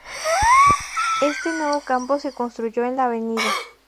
Este nuevo campo se construyó en la Av.